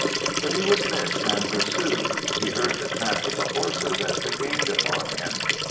But he was missed and pursued, he heard the tramp of the horses as they gained upon him.